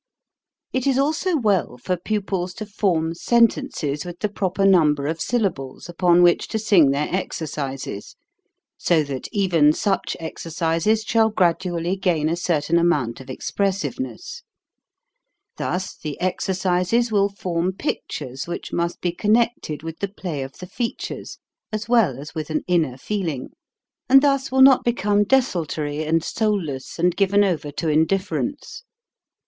It is also well for pupils to form sentences with the proper number of syllables upon which to sing their exercises, so that even such exercises shall gradually gain a certain amount of expressiveness. Thus the exer cises will form pictures which must be con nected with the play of the features, as well as with an inner feeling, and thus will not become desultory and soulless and given over to indifference.